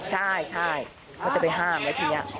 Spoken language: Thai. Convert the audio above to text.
ใช่ใช่เขาจะไปห้ามแล้วทีเนี่ย